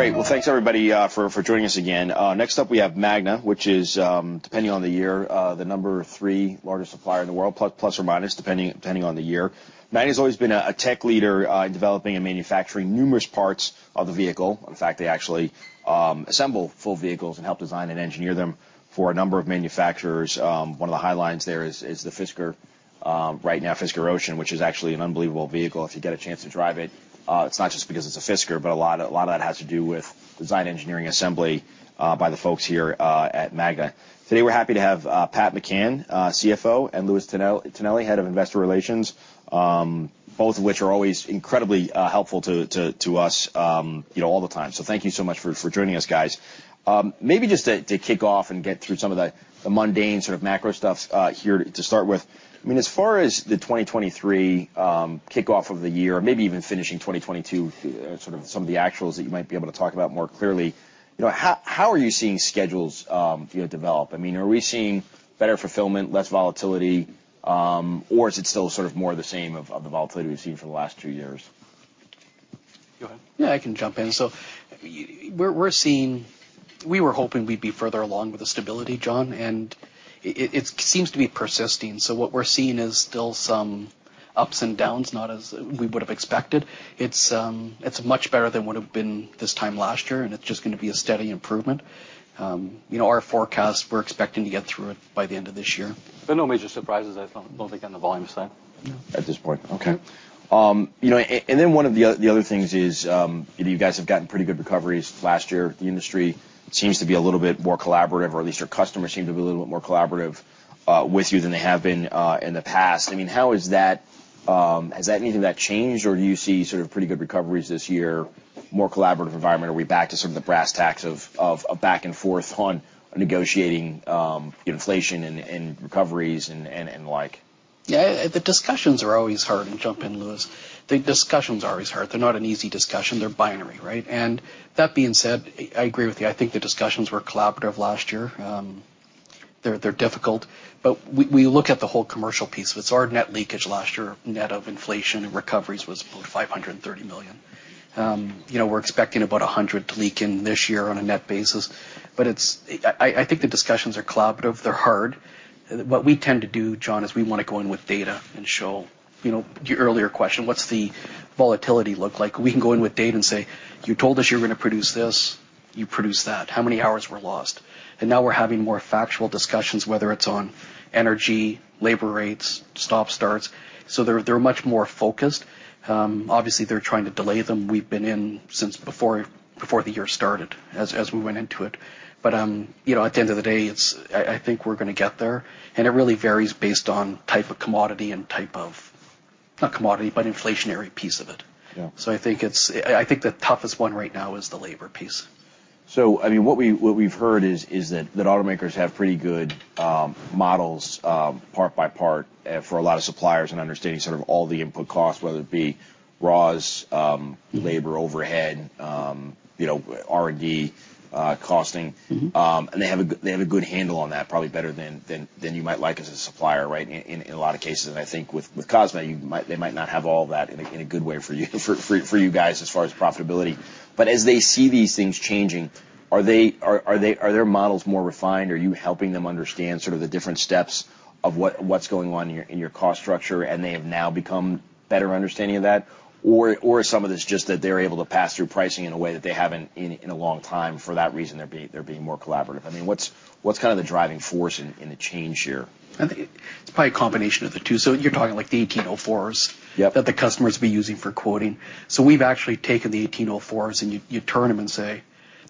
Great. Well, thanks, everybody, for joining us again. Next up, we have Magna, which is, depending on the year, the number 3 largest supplier in the world, plus or minus, depending on the year. Magna's always been a tech leader in developing and manufacturing numerous parts of the vehicle. In fact, they actually assemble full vehicles and help design and engineer them for a number of manufacturers. One of the highlines there is the Fisker, right now, Fisker Ocean, which is actually an unbelievable vehicle if you get a chance to drive it. It's not just because it's a Fisker, but a lot of that has to do with design engineering assembly by the folks here at Magna. Today, we're happy to have Pat McCann, CFO, and Louis Tonelli, head of Investor Relations, both of which are always incredibly helpful to us, you know, all the time. Thank you so much for joining us, guys. Maybe just to kick off and get through some of the mundane sort of macro stuff here to start with. I mean, as far as the 2023 kickoff of the year, maybe even finishing 2022, sort of some of the actuals that you might be able to talk about more clearly, you know, how are you seeing schedules, you know, develop? I mean, are we seeing better fulfillment, less volatility, or is it still sort of more of the same of the volatility we've seen for the last two years? Go ahead. Yeah, I can jump in. We're seeing- we were hoping we'd be further along with the stability, John, it seems to be persisting. What we're seeing is still some ups and downs, not as we would have expected. It's much better than would have been this time last year, it's just gonna be a steady improvement. You know, our forecast, we're expecting to get through it by the end of this year. There are no major surprises, don't think, on the volume side. No. At this point. Okay. You know, and then one of the other things is, you know, you guys have gotten pretty good recoveries last year. The industry seems to be a little bit more collaborative, or at least your customers seem to be a little bit more collaborative with you than they have been in the past. I mean, how is that, has that anything that changed, or do you see sort of pretty good recoveries this year, more collaborative environment? Are we back to some of the brass tacks of a back and forth on negotiating inflation and recoveries and like? Yeah. The discussions are always hard. Jump in, Louis. The discussions are always hard. They're not an easy discussion. They're binary, right? That being said, I agree with you. I think the discussions were collaborative last year. They're difficult, but we look at the whole commercial piece. With our net leakage last year, net of inflation and recoveries was about $530 million. You know, we're expecting about $100 to leak in this year on a net basis. I think the discussions are collaborative. They're hard. What we tend to do, John, is we wanna go in with data and show, you know, your earlier question, what's the volatility look like? We can go in with data and say, You told us you're gonna produce this, you produced that. How many hours were lost? Now we're having more factual discussions, whether it's on energy, labor rates, stop starts. They're much more focused. Obviously, they're trying to delay them. We've been in since before the year started as we went into it. You know, at the end of the day, I think we're gonna get there. It really varies based on type of commodity and type of, not commodity, but inflationary piece of it. Yeah. I think the toughest one right now is the labor piece. I mean, what we've heard is that automakers have pretty good models, part by part for a lot of suppliers and understanding sort of all the input costs, whether it be raws, labor overhead, you know, R&D costing. They have a good handle on that, probably better than you might like as a supplier, right, in a lot of cases. I think with Cosma, they might not have all that in a good way for you guys as far as profitability. As they see these things changing, are their models more refined? Are you helping them understand sort of the different steps of what's going on in your cost structure, and they have now become better understanding of that? Or some of it's just that they're able to pass through pricing in a way that they haven't in a long time, for that reason, they're being more collaborative. I mean, what's kinda the driving force in the change here? I think it's probably a combination of the two. you're talking, like, the 1804s. Yep that the customers be using for quoting. We've actually taken the 1804s and you turn them and say,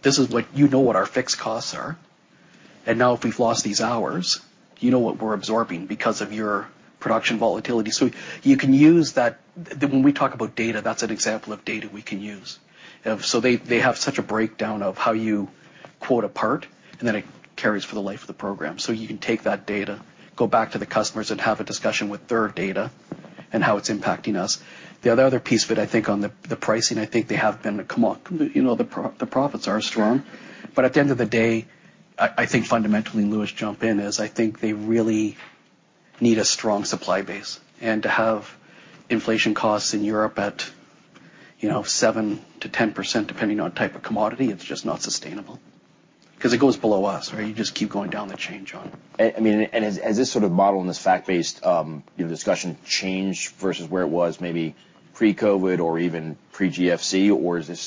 this is what. You know what our fixed costs are. Now if we've lost these hours, you know what we're absorbing because of your production volatility. You can use that. When we talk about data, that's an example of data we can use. They, they have such a breakdown of how you quote a part, and then it carries for the life of the program. You can take that data, go back to the customers and have a discussion with their data and how it's impacting us. The other piece of it, I think on the pricing, I think they have been come up. You know, the profits are strong. At the end of the day, I think fundamentally, Louis, jump in, is I think they really need a strong supply base. To have inflation costs in Europe at, you know, 7%-10%, depending on type of commodity, it's just not sustainable because it goes below us. You just keep going down the change on. I mean, has this sort of model and this fact-based, you know, discussion changed versus where it was maybe pre-COVID or even pre-GFC, or is this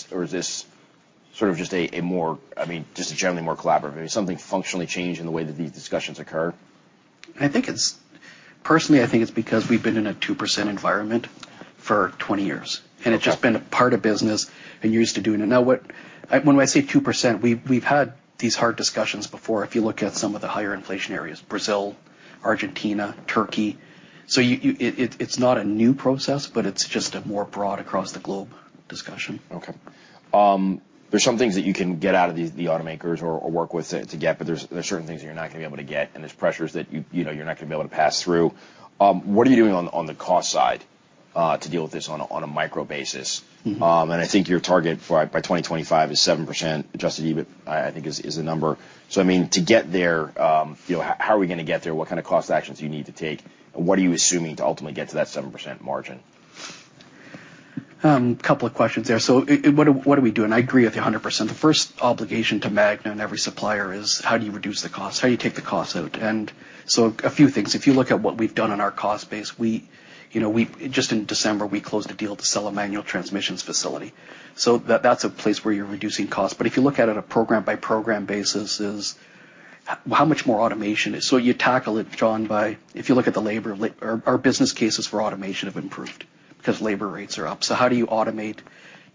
sort of just a more, I mean, just generally more collaborative? Something functionally changed in the way that these discussions occur? Personally, I think it's because we've been in a 2% environment for 20 years. Okay. It's just been a part of business and used to doing it. Now when I say 2%, we've had these hard discussions before, if you look at some of the higher inflation areas, Brazil, Argentina, Turkey. You, it's not a new process, but it's just a more broad across the globe discussion. Okay. There's some things that you can get out of these, the automakers or work with to get. There's certain things you're not gonna be able to get. There's pressures that you know, you're not gonna be able to pass through. What are you doing on the cost side to deal with this on a micro basis? I think your target for by 2025 is 7% adjusted EBIT, I think is the number. I mean, to get there, you know, how are we gonna get there? What kind of cost actions do you need to take? What are you assuming to ultimately get to that 7% margin? A couple of questions there. What are we doing? I agree with you 100%. The first obligation to Magna and every supplier is how do you reduce the cost? How do you take the cost out? A few things, if you look at what we've done on our cost base, we, you know, just in December, we closed a deal to sell a manual transmissions facility. That's a place where you're reducing cost. If you look at it a program by program basis is how much more automation is. You tackle it, John, by, if you look at the labor or our business cases for automation have improved because labor rates are up. How do you automate,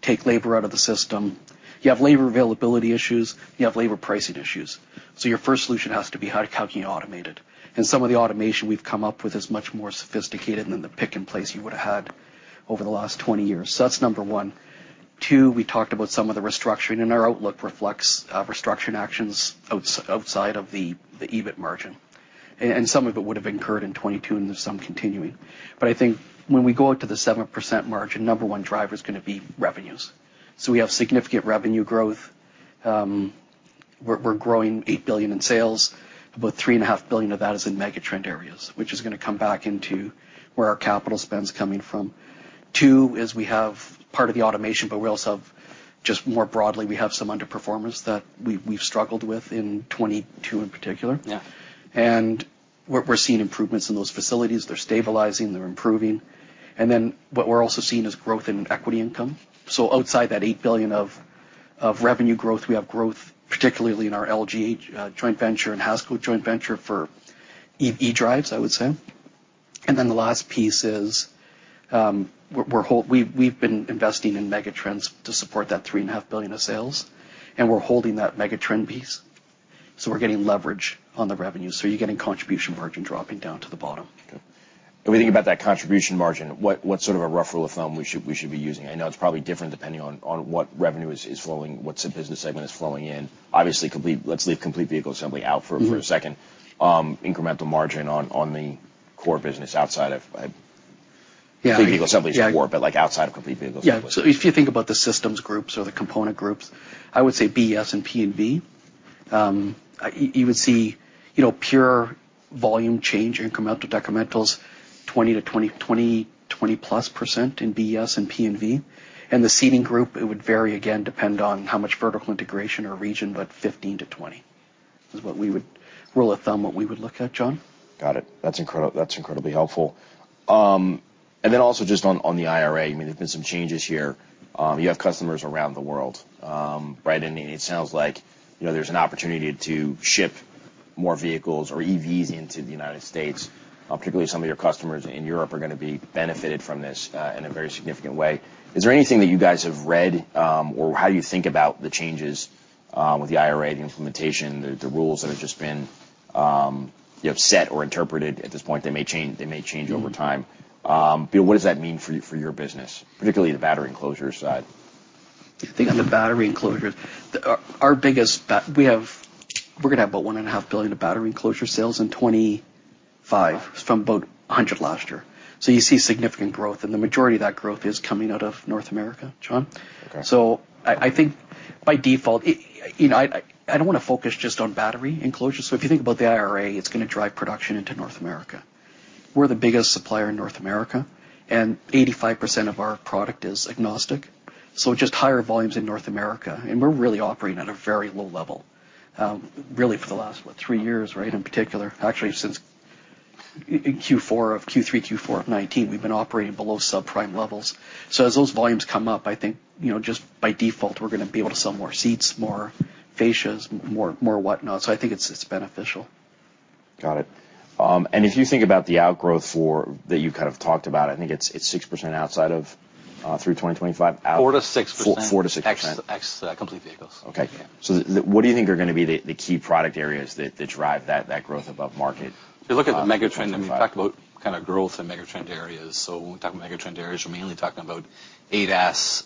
take labor out of the system? You have labor availability issues, you have labor pricing issues. Your first solution has to be how can you automate it. Some of the automation we've come up with is much more sophisticated than the pick and place you would've had over the last 20 years. That's number 1. Number 2, we talked about some of the restructuring, and our outlook reflects restructuring actions outside of the EBIT margin. And some of it would have incurred in 2022, and there's some continuing. I think when we go out to the 7% margin, number 1 driver is gonna be revenues. We have significant revenue growth. We're growing $8 billion in sales. About $3.5 billion of that is in megatrend areas, which is gonna come back into where our capital spend's coming from. Two is we have part of the automation, but we also have just more broadly, we have some underperformance that we've struggled with in 2022 in particular. Yeah. We're seeing improvements in those facilities. They're stabilizing, they're improving. What we're also seeing is growth in equity income. Outside that $8 billion of revenue growth, we have growth, particularly in our LG joint venture and HASCO joint venture for eDrive, I would say. The last piece is, we've been investing in megatrends to support that $3.5 billion of sales, and we're holding that megatrend piece. We're getting leverage on the revenue. You're getting contribution margin dropping down to the bottom. Okay. We think about that contribution margin, what sort of a rough rule of thumb we should be using? I know it's probably different depending on what revenue is flowing, what's the business segment is flowing in. Obviously, let's leave complete vehicle assembly out. For a second. Incremental margin on the core business outside of- Yeah. -complete vehicle assembly is core, but like outside of complete vehicle assembly. If you think about the systems groups or the component groups, I would say BS and P&V. You would see, you know, pure volume change incremental to decrementals 20+% in BS and P&V. The seating group, it would vary, again, depend on how much vertical integration or region, but 15%-20% is rule of thumb, what we would look at, John. Got it. That's incredibly helpful. Then also just on the IRA, I mean, there's been some changes here. You have customers around the world, right? It sounds like, you know, there's an opportunity to ship more vehicles or EVs into the United States, particularly some of your customers in Europe are gonna be benefited from this, in a very significant way. Is there anything that you guys have read, or how do you think about the changes with the IRA, the implementation, the rules that have just been, you know, set or interpreted at this point? They may change, they may change over time. What does that mean for your business, particularly the battery enclosure side? I think on the battery enclosures, our gonna have about one and a half billion of battery enclosure sales in 2025 from about $100 last year. You see significant growth, and the majority of that growth is coming out of North America, John. Okay. I think by default, I don't wanna focus just on battery enclosures. If you think about the IRA, it's gonna drive production into North America. We're the biggest supplier in North America, and 85% of our product is agnostic, so just higher volumes in North America. We're really operating at a very low level, really for the last, what, three years, right? In particular. Actually, since Q3, Q4 of 2019, we've been operating below subprime levels. As those volumes come up, I think, you know, just by default, we're gonna be able to sell more seats, more fascias, more whatnot. I think it's beneficial. Got it. If you think about the outgrowth that you kind of talked about, I think it's 6% outside of through 2025. 4%-6%. 4%-6%. Ex-complete vehicles. Okay. What do you think are gonna be the key product areas that drive that growth above market? If you look at the megatrend, when we talk about kind of growth in megatrend areas, so when we talk about megatrend areas, we're mainly talking about ADAS,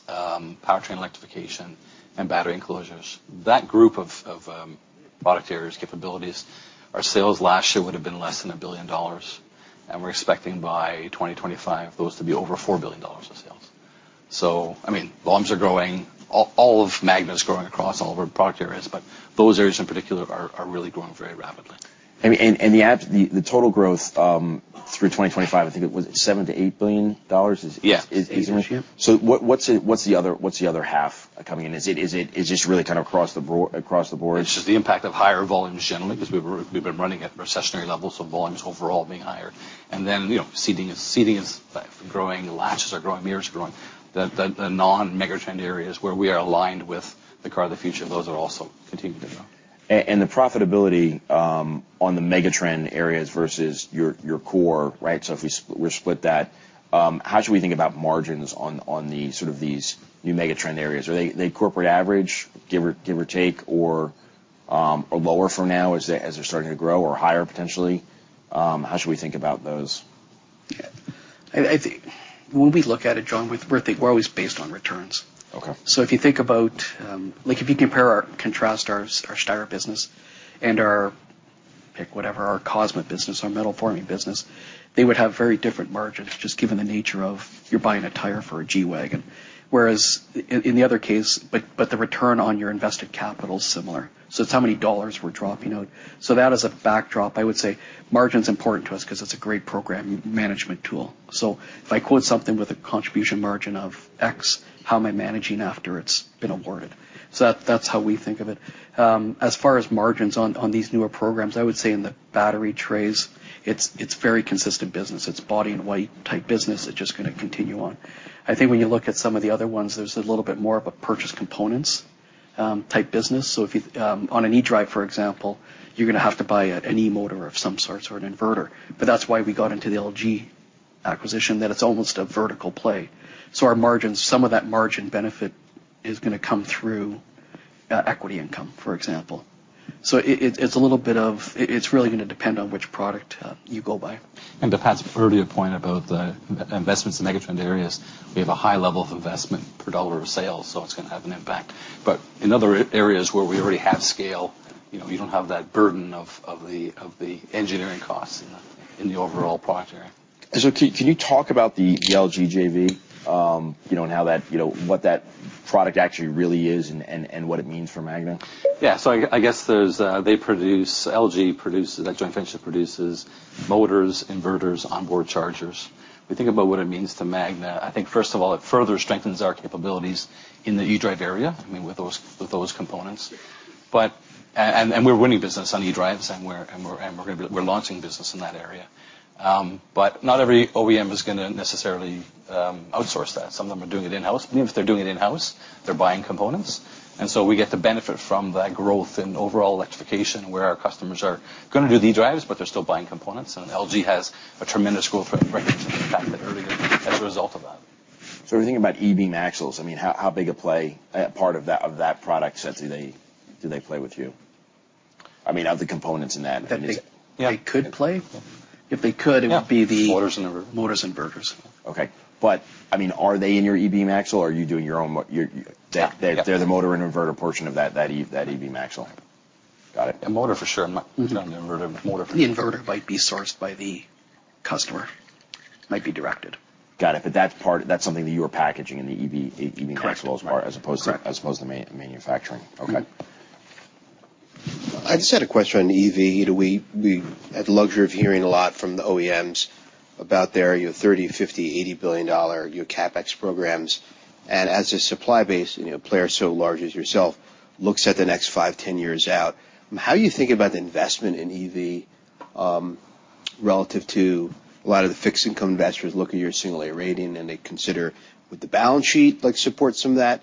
powertrain electrification and battery enclosures. That group of product areas, capabilities, our sales last year would have been less than $1 billion, and we're expecting by 2025, those to be over $4 billion of sales. I mean, volumes are growing. All of Magna is growing across all of our product areas, but those areas in particular are really growing very rapidly. I mean, and the total growth, through 2025, I think it was $7 billion-$8 billion. Yeah. Is the issue. What's the other half coming in? Is this really kind of across the board? It's just the impact of higher volumes generally, 'cause we've been running at recessionary levels, so volumes overall being higher. Then, you know, seating is growing, latches are growing, mirrors are growing. The non-megatrend areas where we are aligned with the car of the future, those are also continuing to grow. The profitability on the megatrend areas versus your core, right? If we split that, how should we think about margins on the sort of these new megatrend areas? Are they corporate average, give or take, or lower for now as they're starting to grow or higher potentially? How should we think about those? I think when we look at it, John, we're always based on returns. Okay. If you think about, if you compare or contrast our Steyr business and our Cosma business, our metal forming business, they would have very different margins just given the nature of you're buying a tire for a G-Wagon. Whereas in the other case, but the return on your invested capital is similar. It's how many dollars we're dropping out. That is a backdrop. I would say margin's important to us 'cause it's a great program management tool. If I quote something with a contribution margin of X, how am I managing after it's been awarded? That's how we think of it. As far as margins on these newer programs, I would say in the battery trays, it's very consistent business. It's body in white type business that's just gonna continue on. I think when you look at some of the other ones, there's a little bit more of a purchase components, type business. If you on an eDrive, for example, you're gonna have to buy an e-motor of some sort or an inverter. That's why we got into the LG acquisition, that it's almost a vertical play. Our margins, some of that margin benefit is gonna come through equity income, for example. It, it's a little bit of. It's really gonna depend on which product you go by. To Pat's earlier point about the investments in megatrend areas, we have a high level of investment per dollar of sale, so it's gonna have an impact. In other areas where we already have scale, you know, we don't have that burden of the engineering costs in the overall project. Can you talk about the LG JV? you know, and how that, you know, what that product actually really is and what it means for Magna? I guess there's LG produces that joint venture produces motors, inverters, onboard chargers. If you think about what it means to Magna, I think, first of all, it further strengthens our capabilities in the eDrive area, I mean, with those components. And we're winning business on eDrives, and we're gonna be launching business in that area. Not every OEM is gonna necessarily outsource that. Some of them are doing it in-house. Even if they're doing it in-house, they're buying components. We get the benefit from that growth in overall electrification where our customers are gonna do the drives, but they're still buying components. LG has a tremendous growth rate as a result of that. When you think about eBeam axles, I mean, how big a play, part of that product set do they play with you? I mean, of the components in that- That- Yeah -they could play? If they could- Yeah -it would be. Motors and inverters. -motors, inverters. Okay. I mean, are they in your eBeam axle or are you doing your own? Yeah. Yeah. They're the motor and inverter portion of that eBeam axle? Yeah. Got it. A motor for sure. I'm not- doing the inverter, but motor for sure. Tnverter might be sourced by the customer, might be directed. Got it. That's something that you are packaging in the EV, eBeam axles- Correct -part as opposed to- Correct -as opposed to manufacturing. Okay. I just had a question on EV. You know, we had the luxury of hearing a lot from the OEMs about their, you know, $30 billion, $50 billion, $80 billion CapEx programs. As a supply base, you know, player so large as yourself looks at the next 5, 10 years out, how you think about the investment in EV, relative to a lot of the fixed income investors look at your single A rating and they consider, would the balance sheet, like, support some of that,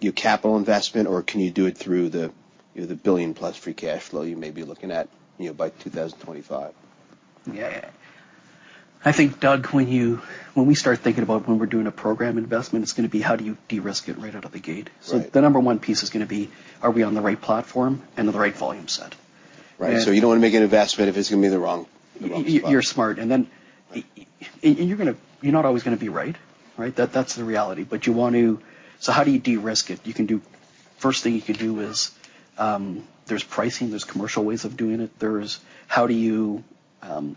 your capital investment, or can you do it through the, you know, the $1 billion-plus free cash flow you may be looking at, you know, by 2025? Yeah. I think, Doug, when we start thinking about when we're doing a program investment, it's gonna be, how do you de-risk it right out of the gate? Right. The number one piece is gonna be, are we on the right platform and the right volume set? Right. You don't wanna make an investment if it's gonna be the wrong spot. You're smart. You're not always gonna be right. Right? That's the reality. How do you de-risk it? First thing you could do is, there's pricing, there's commercial ways of doing it. How do you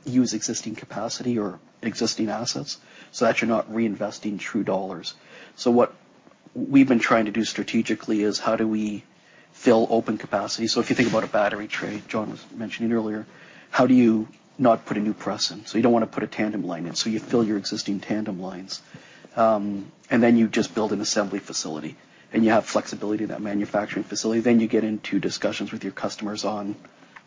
use existing capacity or existing assets so that you're not reinvesting true dollars? What we've been trying to do strategically is how do we fill open capacity. If you think about a battery tray, John was mentioning earlier, how do you not put a new press in? You don't wanna put a tandem line in, so you fill your existing tandem lines. You just build an assembly facility, and you have flexibility in that manufacturing facility. You get into discussions with your customers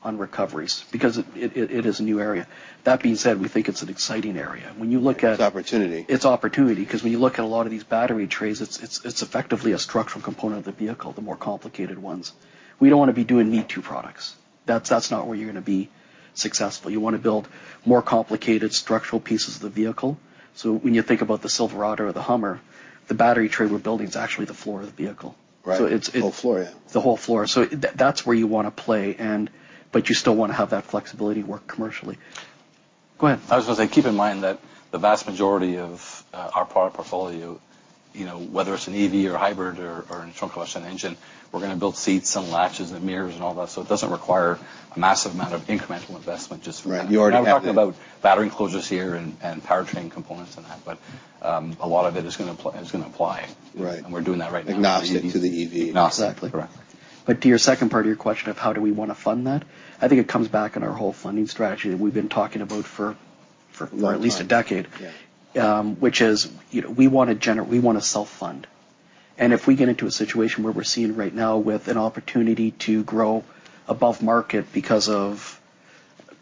on recoveries because it is a new area. That being said, we think it's an exciting area. It's opportunity. It's opportunity 'cause when you look at a lot of these battery trays, it's effectively a structural component of the vehicle, the more complicated ones. We don't wanna be doing me-too products. That's not where you're gonna be successful. You wanna build more complicated structural pieces of the vehicle. When you think about the Silverado or the Hummer, the battery tray we're building is actually the floor of the vehicle. Right. it's. The whole floor, yeah. The whole floor. That's where you wanna play and. You still wanna have that flexibility to work commercially. Go ahead. I was gonna say, keep in mind that the vast majority of our product portfolio, you know, whether it's an EV or hybrid or internal combustion engine, we're gonna build seats and latches and mirrors and all that. It doesn't require a massive amount of incremental investment just from that. Right. You already have. We're talking about battery enclosures here and powertrain components and that, but a lot of it is gonna apply. Right. We're doing that right now. Agnostic to the EV. Agnostic. Exactly. Correct. To your second part of your question of how do we wanna fund that, I think it comes back in our whole funding strategy that we've been talking about for- A long time. -at least a decade. Yeah. which is, you know, we wanna self-fund. If we get into a situation where we're seeing right now with an opportunity to grow above market.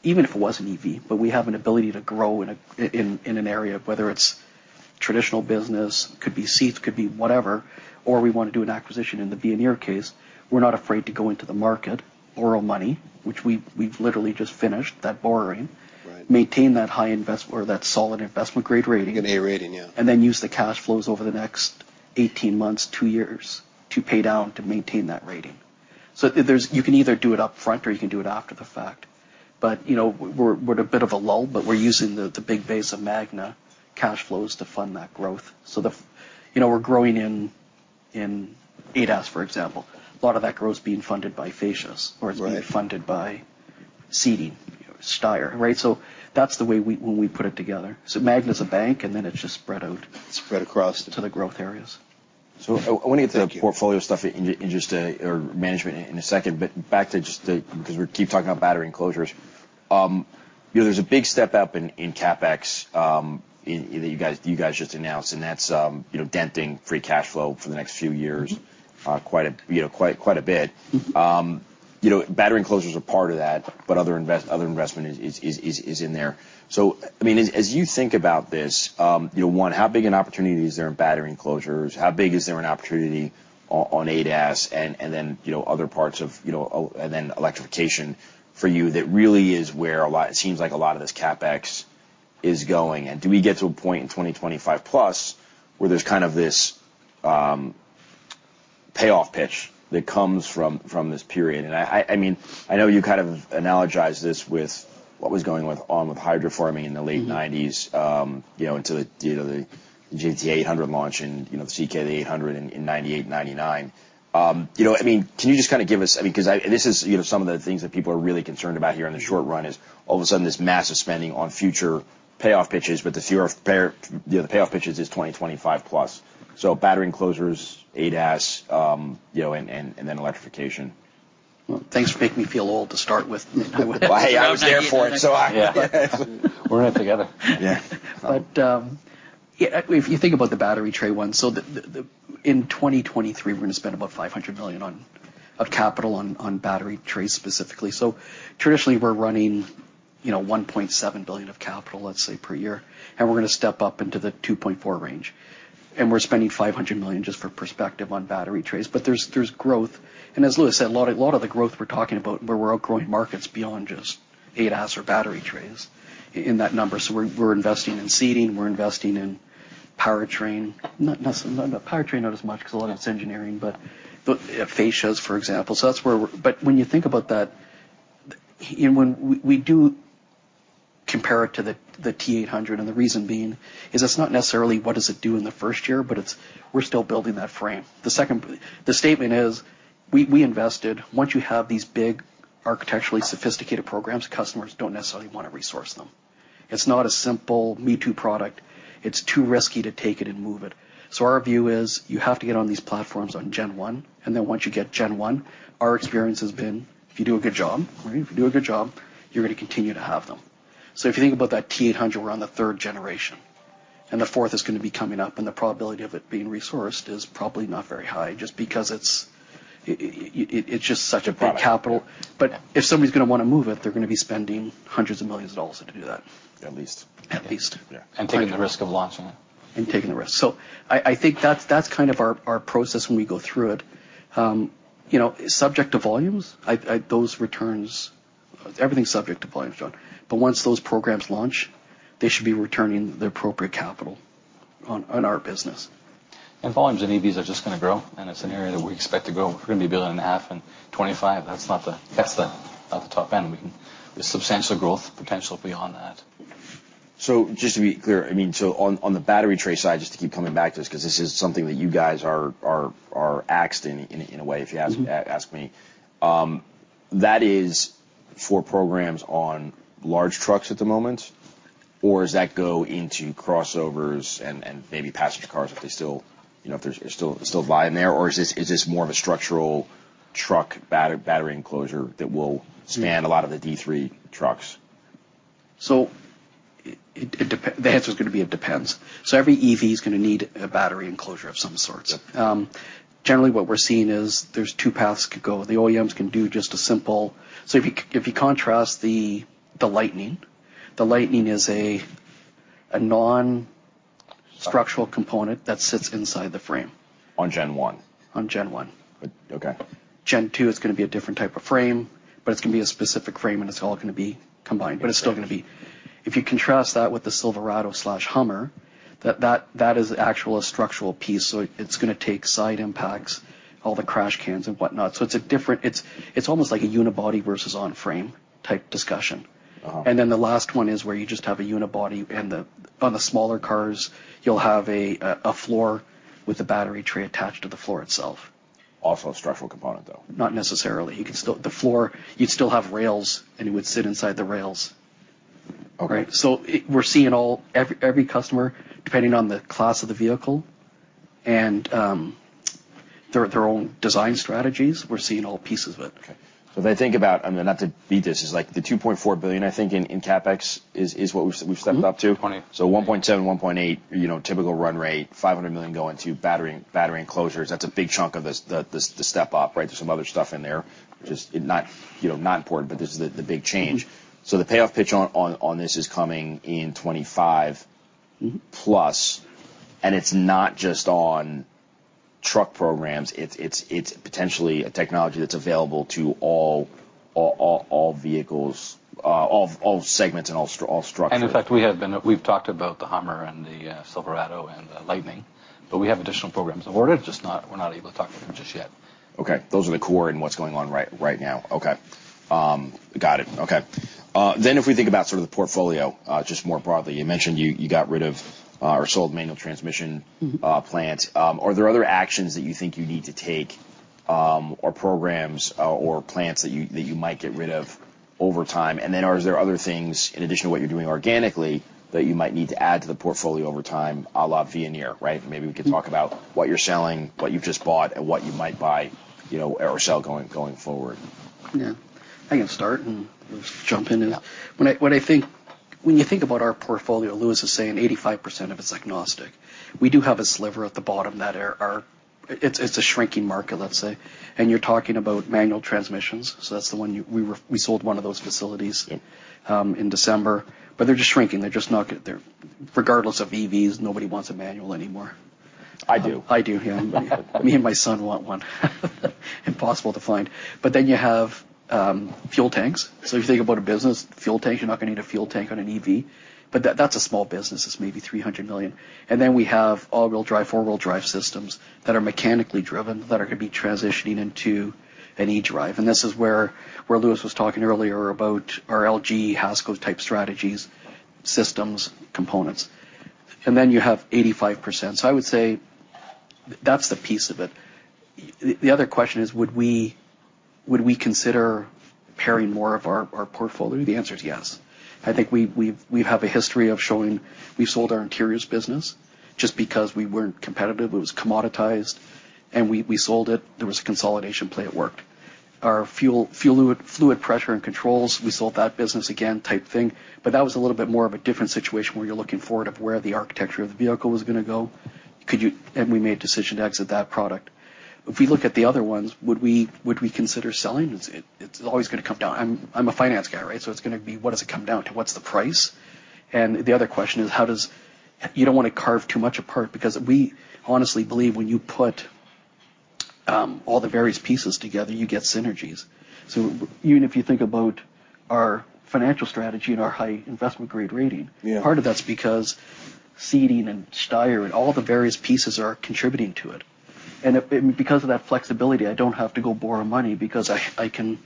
Even if it wasn't EV, but we have an ability to grow in an area, whether it's traditional business, could be seats, could be whatever, or we wanna do an acquisition in the Veoneer case, we're not afraid to go into the market, borrow money, which we've literally just finished that borrowing. Right. Maintain that solid investment grade rating. An A rating, yeah. Use the cash flows over the next 18 months, 2 years to pay down to maintain that rating. You can either do it up front or you can do it after the fact. You know, we're at a bit of a lull, but we're using the big base of Magna cash flows to fund that growth. You know, we're growing in ADAS, for example, a lot of that growth is being funded by facias. Right. It's being funded by seating, Steyr. Right? That's the way we put it together. Magna is a bank, and then it's just spread out. Spread across to the growth areas. I wanna get to- Thank you. -the portfolio stuff in just or management in a second. Back to just the- 'cause we keep talking about battery enclosures. You know, there's a big step up in CapEx, in, that you guys just announced, and that's, you know, denting free cash flow for the next few years- Quite a, you know, quite a bit. you know, battery enclosures are part of that, but other investment is in there. I mean, as you think about this, you know, one, how big an opportunity is there in battery enclosures? How big is there an opportunity on ADAS and then, you know, other parts of, you know, and then electrification for you? That really is where it seems like a lot of this CapEx is going. Do we get to a point in 2025+ where there's kind of this payoff pitch that comes from this period? I mean, I know you kind of analogize this with what was going on with hydroforming in the late 1990's. You know, into the, you know, the GMT800 launch and, you know, the C/K in 1998, 1999. you know, I mean, can you just kind of give us? This is, you know, some of the things that people are really concerned about here in the short run is, all of a sudden this massive spending on future payoff pitches, but the payoff pitches is 2025+. Battery enclosures, ADAS, you know, and then electrification. Well, things make me feel old to start with. Well, hey, I was there for it. I- Yeah. We're in it together. Yeah. Yeah, if you think about the battery tray one, in 2023, we're gonna spend about $500 million on, of capital on battery trays specifically. Traditionally, we're running, you know, $1.7 billion of capital, let's say, per year, and we're gonna step up into the $2.4 range. We're spending $500 million, just for perspective, on battery trays. There's growth. As Louis said, a lot of the growth we're talking about, where we're growing markets beyond just ADAS or battery trays in that number. We're investing in seating, we're investing in powertrain. Powertrain not as much 'cause a lot of it's engineering, but fascias for example. That's where we're- -when you think about that, and when we do compare it to the T800, and the reason being is it's not necessarily what does it do in the first year, but it's, we're still building that frame. The statement is, we invested. Once you have these big architecturally sophisticated programs, customers don't necessarily wanna resource them. It's not a simple me-too product. It's too risky to take it and move it. Our view is, you have to get on these platforms on Gen 1, and then once you get Gen 1, our experience has been if you do a good job, right? If you do a good job, you're gonna continue to have them. I f you think about that T800, we're on the third generation. The fourth is gonna be coming up, and the probability of it being resourced is probably not very high just because it's just such a big capital. The product. Yeah. If somebody's gonna wanna move it, they're gonna be spending hundreds of millions of dollars to do that. At least. At least. Yeah. taking the risk of launching it. Taking the risk. I think that's kind of our process when we go through it. You know, subject to volumes. Those returns, everything's subject to volumes, John. Once those programs launch, they should be returning the appropriate capital on our business. Volumes in EVs are just gonna grow, and it's an area that we expect to grow. We're gonna be $1.5 billion in 2025. That's the, not the top end. There's substantial growth potential beyond that. Just to be clear, I mean, on the battery tray side, just to keep coming back to this 'cause this is something that you guys are asked in a way. ask me. That is for programs on large trucks at the moment? Does that go into crossovers and maybe passenger cars if they still, you know, if there's still volume there, or is this more of a structural truck battery enclosure? Yeah. -span a lot of the D3 trucks? The answer is gonna be it depends. Every EV is gonna need a battery enclosure of some sorts. Yep. Generally what we're seeing is there's two paths it could go. The OEMs can do just a simple. If you contrast the Lightning, the Lightning is a non-structural component that sits inside the frame. On Gen 1? On Gen 1. Okay. Gen 2 is gonna be a different type of frame, but it's gonna be a specific frame, and it's all gonna be combined. It's still gonna be. If you contrast that with the Silverado slash Hummer, that is actual a structural piece, so it's gonna take side impacts, all the crash cans and whatnot. It's a different. It's almost like a unibody versus on-frame type discussion The last one is where you just have a unibody and the, on the smaller cars you'll have a floor with a battery tray attached to the floor itself. Also a structural component, though? Not necessarily. The floor, you'd still have rails, and it would sit inside the rails. Okay. Right? Every customer, depending on the class of the vehicle and, their own design strategies, we're seeing all pieces of it. If I think about, not to beat this, is like the $2.4 billion, I think, in CapEx is what we've stepped up to. 1.8. $1.7, $1.8, you know, typical run rate, $500 million going to battery enclosures. That's a big chunk of this, the step-up, right? There's some other stuff in there which is not, you know, not important, but this is the big change. The payoff pitch on this is coming in 25. plus, and it's not just on truck programs. It's potentially a technology that's available to all vehicles, all segments and all structures. In fact, we've talked about the HUMMER and the Silverado and the Lightning, but we have additional programs ordered, we're not yet Just yet. Okay. Those are the core and what's going on right now. Okay. Got it. Okay. If we think about sort of the portfolio, just more broadly, you mentioned you got rid of or sold manual transmission plants. Are there other actions that you think you need to take, or programs, or plants that you might get rid of over time? Are there other things in addition to what you're doing organically that you might need to add to the portfolio over time, à la Veoneer, right? Maybe we could talk about what you're selling, what you've just bought and what you might buy, you know, or sell going forward. Yeah. I can start and Louis can jump in. Yeah. When you think about our portfolio, Louis was saying 85% of it's agnostic. We do have a sliver at the bottom that are- It's a shrinking market, let's say. You're talking about manual transmissions, so that's the one you- we sold one of those facilities. Yeah. in December. They're just shrinking, they're just not Regardless of EVs, nobody wants a manual anymore. I do. I do, yeah. Me and my son want one. Impossible to find. You have fuel tanks. If you think about a business, fuel tank, you're not gonna need a fuel tank on an EV, but that's a small business. It's maybe $300 million. We have all-wheel drive, four-wheel drive systems that are mechanically driven, that are gonna be transitioning into an eDrive. This is where Louis was talking earlier about our LG, HASCO-type strategies, systems, components. You have 85%. I would say that's the piece of it. The other question is, would we consider paring more of our portfolio? The answer is yes. I think we have a history of showing. We sold our interiors business just because we weren't competitive. It was commoditized, and we sold it. There was a consolidation play, it worked. Our fuel fluid pressure and controls, we sold that business again type thing. That was a little bit more of a different situation where you're looking forward of where the architecture of the vehicle was gonna go. We made a decision to exit that product. If we look at the other ones, would we consider selling? It's always gonna come down. I'm a finance guy, right? It's gonna be what does it come down to? What's the price? You don't wanna carve too much apart because we honestly believe when you put all the various pieces together, you get synergies. Even if you think about our financial strategy and our high investment-grade rating... Yeah. -part of that's because seating and Steyr and all the various pieces are contributing to it. Because of that flexibility, I don't have to go borrow money because I can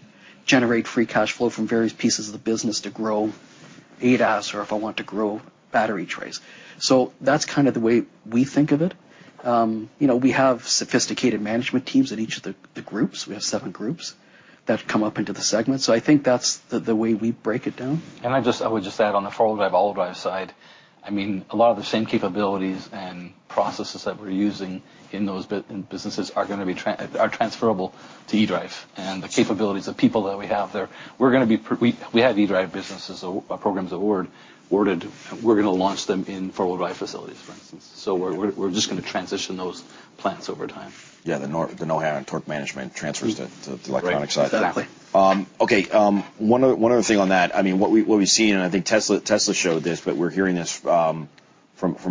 generate free cash flow from various pieces of the business to grow ADAS, or if I want to grow battery trays. That's kind of the way we think of it. you know, we have sophisticated management teams at each of the groups. We have seven groups that come up into the segment. I think that's the way we break it down. I would just add on the front-wheel drive, all-wheel drive side, I mean, a lot of the same capabilities and processes that we're using in those businesses are transferable to eDrive. The capabilities of people that we have there, we have eDrive businesses, or programs awarded. We're gonna launch them in four-wheel drive facilities, for instance. We're just gonna transition those plants over time. Yeah. The know-how and torque management transfers to electronic side. Right. Exactly. Okay. One other thing on that. I mean, what we've seen, and I think Tesla showed this, but we're hearing this, from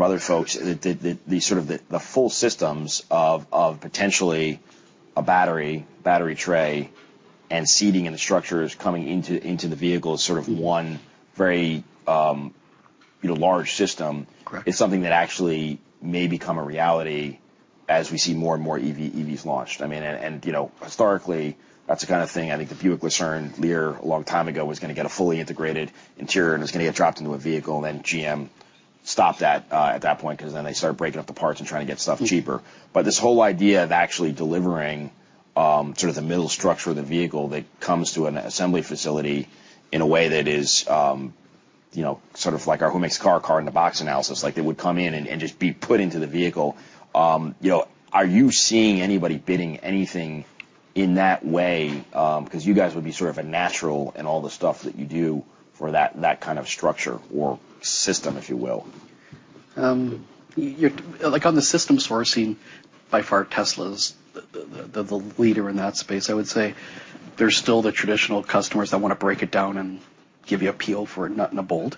other folks, the sort of the full systems of potentially a battery tray and seating and the structures coming into the vehicle as sort of one very, you know, large system. Correct. Is something that actually may become a reality as we see more and more EVs launched. I mean, you know, historically, that's the kind of thing I think the Buick LaCrosse near a long time ago was gonna get a fully integrated interior, and it was gonna get dropped into a vehicle. GM stopped that at that point, 'cause then they started breaking up the parts and trying to get stuff cheaper. This whole idea of actually delivering, sort of the middle structure of the vehicle that comes to an assembly facility in a way that is, you know, sort of like our make vs. buy, car in the box analysis. Like, it would come in and just be put into the vehicle. You know, are you seeing anybody bidding anything in that way, because you guys would be sort of a natural in all the stuff that you do for that kind of structure or system, if you will. Like, on the system sourcing, by far, Tesla's the leader in that space. I would say there's still the traditional customers that wanna break it down and give you a peel for a nut and a bolt.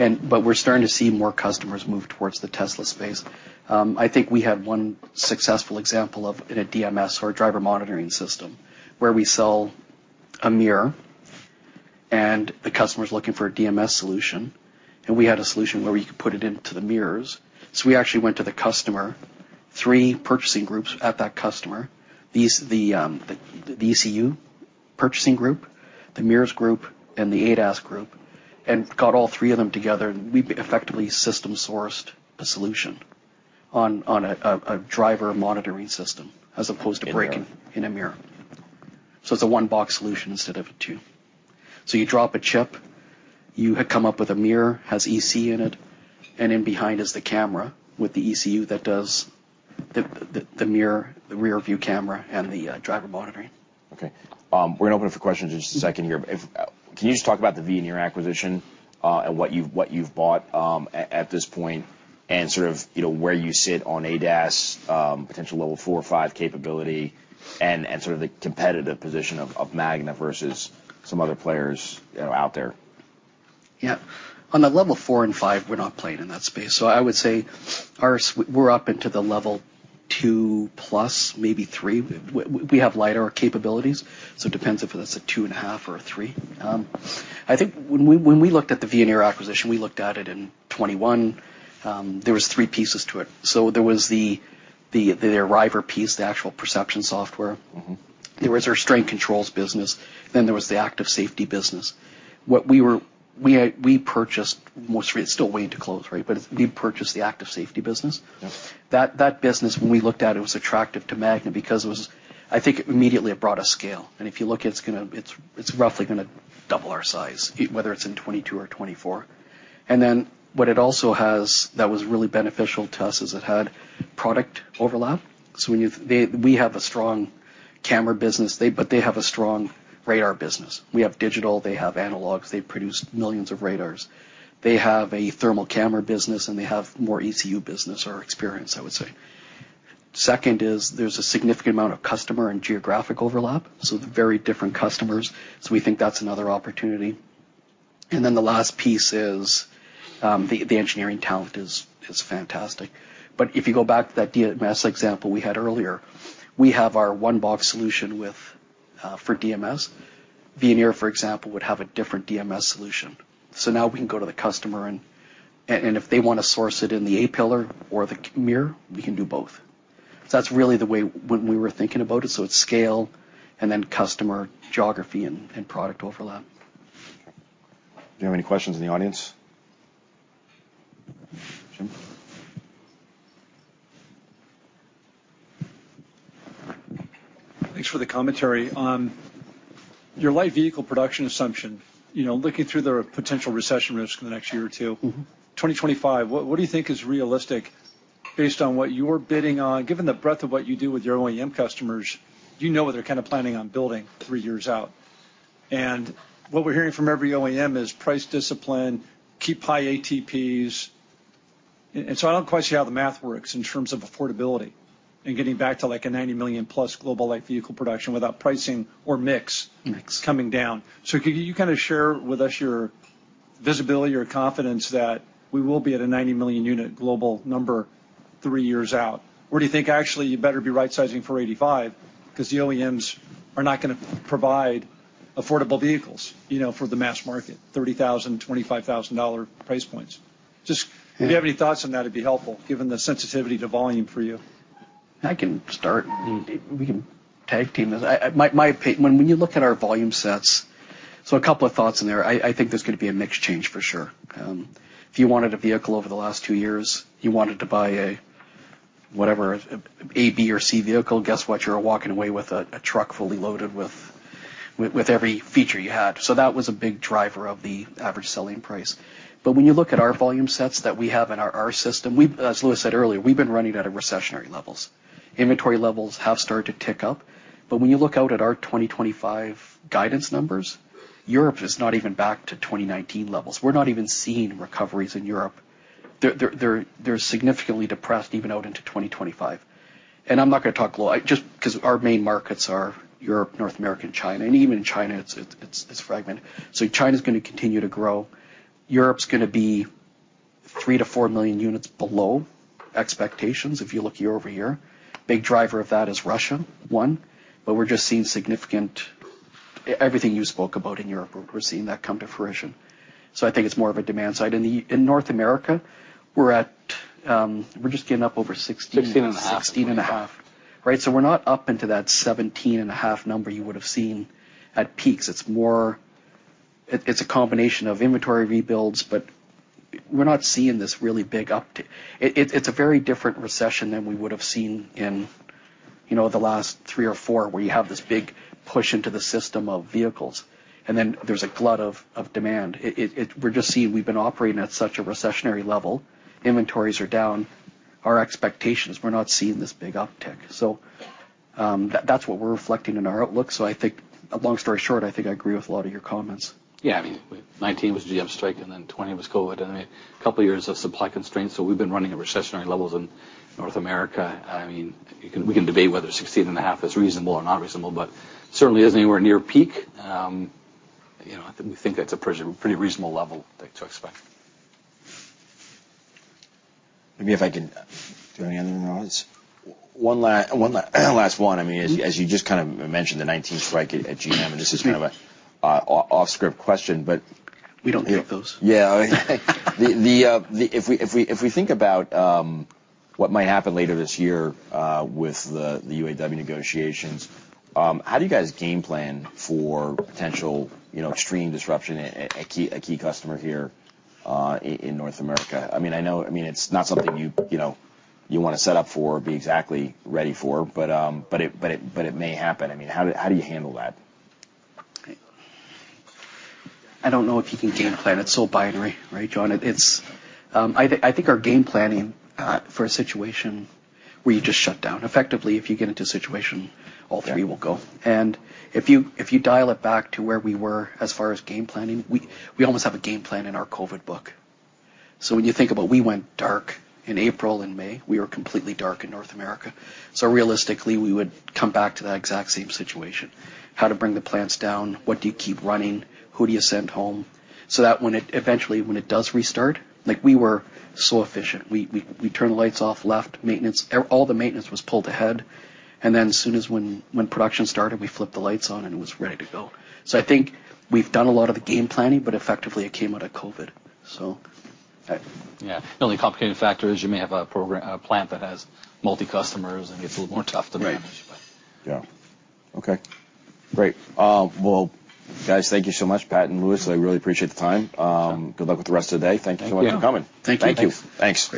We're starting to see more customers move towards the Tesla space. I think we have one successful example of in a DMS or a Driver Monitoring System, where we sell a mirror, and the customer's looking for a DMS solution. We had a solution where we could put it into the mirrors. We actually went to the customer, three purchasing groups at that customer. These, the ECU purchasing group, the mirrors group, and the ADAS group, and got all three of them together, and we effectively system sourced a solution on a Driver Monitoring System as opposed to breaking- In a mirror. -in a mirror. It's a one-box solution instead of a two. You drop a chip, you had come up with a mirror, has ECU in it, and in behind is the camera with the ECU that does the mirror, the rear view camera and the driver monitoring. Okay. We're gonna open up for questions in just a second here. Can you just talk about the Veoneer acquisition, and what you've, what you've bought, at this point, and sort of, you know, where you sit on ADAS, potential level four or five capability and sort of the competitive position of Magna versus some other players, you know, out there? Yeah. On the level four and five, we're not playing in that space. I would say our We're up into the level 2+, maybe 3. We have LIDAR capabilities, so it depends if that's a 2.5 or a 3. I think when we, when we looked at the Veoneer acquisition, we looked at it in 2021. There was three pieces to it. There was the Arriver piece, the actual perception software. There was our strength controls business, then there was the active safety business. We purchased. It's still waiting to close, right? We purchased the active safety business. Yes. That business, when we looked at it was I think immediately it brought a scale. If you look, it's roughly gonna double our size, whether it's in 2022 or 2024. What it also has that was really beneficial to us is it had product overlap. When we have a strong camera business. They have a strong radar business. We have digital, they have analogs. They produce millions of radars. They have a thermal camera business, and they have more ECU business or experience, I would say. Second is, there's a significant amount of customer and geographic overlap, so very different customers. We think that's another opportunity. The last piece is, the engineering talent is fantastic. If you go back to that DMS example we had earlier, we have our one box solution with for DMS. Veoneer, for example, would have a different DMS solution. Now we can go to the customer and if they wanna source it in the A-pillar or the mirror, we can do both. That's really the way when we were thinking about it. It's scale and then customer geography and product overlap. Do you have any questions in the audience? Thanks for the commentary. Your light vehicle production assumption, you know, looking through the potential recession risk in the next year 2025, what do you think is realistic based on what you're bidding on? Given the breadth of what you do with your OEM customers, you know what they're kinda planning on building three years out. What we're hearing from every OEM is price discipline, keep high ATPs. I don't quite see how the math works in terms of affordability and getting back to, like, a 90 million+ global light vehicle production without pricing or mix- Mix. -coming down. Can you kind of share with us your visibility or confidence that we will be at a 90 million unit global number 3 years out? Or do you think actually you better be rightsizing for 85 'cause the OEMs are not gonna provide affordable vehicles, you know, for the mass market, $30,000, $25,000 dollar price points? Yeah. If you have any thoughts on that, it'd be helpful given the sensitivity to volume for you. I can start. We can tag team this. My opinion, when you look at our volume sets. A couple of thoughts in there. I think there's gonna be a mix change for sure. If you wanted a vehicle over the last two years, you wanted to buy a, whatever, A, B, or C vehicle, guess what? You're walking away with a truck fully loaded with every feature you had. That was a big driver of the average selling price. When you look at our volume sets that we have in our system, as Louis said earlier, we've been running out of recessionary levels. Inventory levels have started to tick up. When you look out at our 2025 guidance numbers, Europe is not even back to 2019 levels. We're not even seeing recoveries in Europe. They're significantly depressed even out into 2025. I'm not gonna talk just 'cause our main markets are Europe, North America, and China, and even China, it's fragmented. China's gonna continue to grow. Europe's gonna be 3 million-4 million units below expectations if you look year-over-year. Big driver of that is Russia, one, we're just seeing significant- everything you spoke about in Europe, we're seeing that come to fruition. I think it's more of a demand side. In North America, we're at, we're just getting up over 16- 16.5. 16.5. Right. We're not up into that 17.5 number you would have seen at peaks. It's a combination of inventory rebuilds, but we're not seeing this really big uptick. It's a very different recession than we would have seen in, you know, the last 3 or 4, where you have this big push into the system of vehicles, and then there's a glut of demand. We're just seeing we've been operating at such a recessionary level. Inventories are down. Our expectations, we're not seeing this big uptick. That's what we're reflecting in our outlook. I think long story short, I think I agree with a lot of your comments. Yeah. I mean, 2019 was GM strike, 2020 was COVID, a couple of years of supply constraints. We've been running at recessionary levels in North America. I mean, we can debate whether 16.5 is reasonable or not reasonable, certainly isn't anywhere near peak. You know, I think we think that's a pretty reasonable level, like, to expect. Maybe if I can. Is there any other analysis? One last one. I mean, as you just kind of mentioned, the 2019 strike at GM. This is kind of a off script question. We don't hate those. If we think about what might happen later this year, with the UAW negotiations, how do you guys game plan for potential, you know, extreme disruption, a key customer here, in North America? I mean, it's not something you know, you wanna set up for, be exactly ready for, but it may happen. I mean, how do you handle that? I don't know if you can game plan. It's so binary, right, John? It's I think our game planning for a situation where you just shut down. Effectively, if you get into a situation, all three will go. If you dial it back to where we were as far as game planning, we almost have a game plan in our COVID book. When you think about we went dark in April and May, we were completely dark in North America. Realistically, we would come back to that exact same situation. How to bring the plants down, what do you keep running, who do you send home? That eventually, when it does restart, like, we were so efficient. We turned the lights off, left maintenance. All the maintenance was pulled ahead. As soon as when production started, we flipped the lights on and it was ready to go. I think we've done a lot of the game planning, but effectively it came out of COVID. Yeah. The only complicated factor is you may have a plant that has multi customers and gets a little more tough to manage. Right. Yeah. Okay. Great. Well, guys, thank you so much, Pat and Louis. I really appreciate the time. Good luck with the rest of the day. Thank you so much for coming. Thank you. Thank you. Thanks.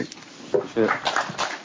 Great.